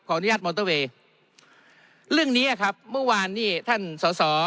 อนุญาตมอเตอร์เวย์เรื่องนี้ครับเมื่อวานนี้ท่านสอสอ